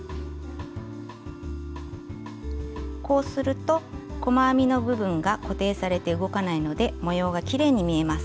こうすると細編みの部分が固定されて動かないので模様がきれいに見えます。